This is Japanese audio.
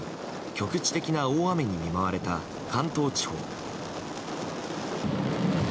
局地的な大雨に見舞われた関東地方。